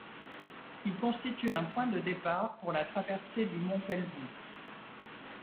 Il constitue un point de départ pour la traversée du mont Pelvoux.